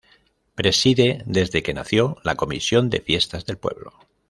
Preside, desde que nació, la comisión de fiestas del pueblo.